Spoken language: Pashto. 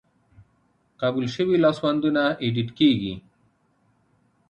قبول شوي لاسوندونه ایډیټ کیږي.